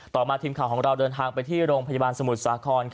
ต่อมาทีมข่าวของเราเดินทางไปที่โรงพยาบาลสมุทรสาคร